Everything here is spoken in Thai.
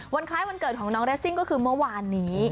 คล้ายวันเกิดของน้องเรสซิ่งก็คือเมื่อวานนี้